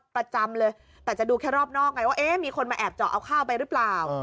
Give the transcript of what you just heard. ประจำเลยแต่จะดูแค่รอบนอกไงว่าเอ๊ะมีคนมาแอบเจาะเอาข้าวไปหรือเปล่า